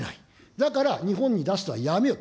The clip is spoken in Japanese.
だから日本に出すのはやめよう。